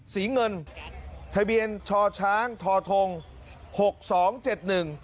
เงินทะเบียนชช้างทอทงหกสองเจ็ดหนึ่ง